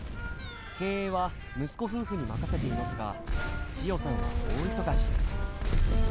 経営は息子夫婦に任せていますが千代さんは大忙し。